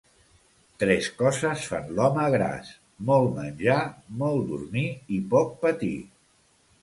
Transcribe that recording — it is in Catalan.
Tres coses fan l'home gras: molt menjar, molt dormir i poc patir.